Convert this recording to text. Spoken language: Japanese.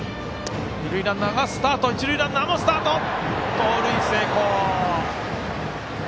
盗塁成功。